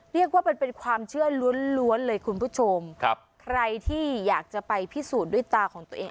เรียกว่ามันเป็นความเชื่อล้วนล้วนเลยคุณผู้ชมครับใครที่อยากจะไปพิสูจน์ด้วยตาของตัวเอง